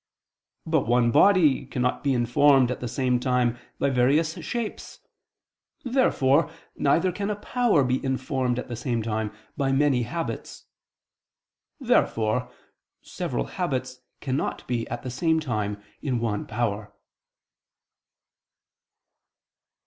But one body cannot be informed at the same time by various shapes. Therefore neither can a power be informed at the same time by many habits. Therefore several habits cannot be at the same time in one power.